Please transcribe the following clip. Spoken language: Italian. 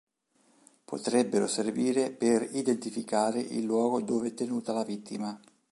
Potrebbero servire per identificare il luogo dove è tenuta la vittima.